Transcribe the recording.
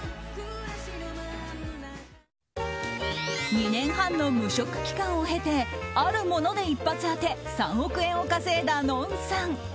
２年半の無職期間を経てあるもので一発当て３億円を稼いだＮＯＮさん。